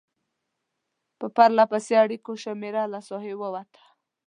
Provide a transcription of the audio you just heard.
په پرلپسې اړیکو شمېره له ساحې ووته.